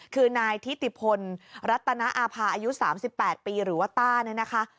คือนายทิติพลรัตนอาภาอายุ๓๘ปีหรือว่าต้าเนี่ยนะคะ